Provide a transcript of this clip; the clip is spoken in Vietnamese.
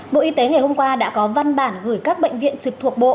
bộ y tế ngày hôm qua đã có văn bản gửi các bệnh viện trực thuộc bộ